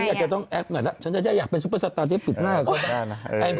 ฉันจะอยากจะต้องแอบหน่อยนะฉันจะอยากเป็นซูเปอร์สตาร์ที่ปิดหน้าก็ได้